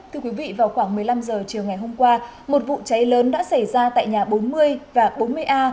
thưa quý vị vào khoảng một mươi năm h chiều ngày hôm qua một vụ cháy lớn đã xảy ra tại nhà bốn mươi và bốn mươi a